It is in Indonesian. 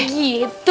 nangisnya aja pales